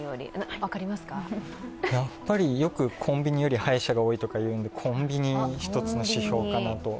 やっぱりよくコンビニより歯医者が多いというんでコンビニ、一つの指標かなと。